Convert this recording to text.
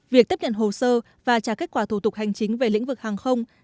việc tiếp nhận hồ sơ và trả kết quả thủ tục hành chính về lĩnh vực hàng không